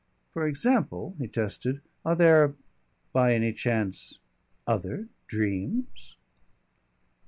"For example," he tested, "are there by any chance other dreams?"